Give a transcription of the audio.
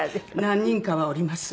何人かはおります。